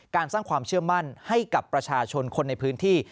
สร้างความเชื่อมั่นให้กับประชาชนคนในพื้นที่